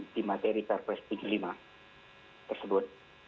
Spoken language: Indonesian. di materi perpres tujuh puluh lima tersebut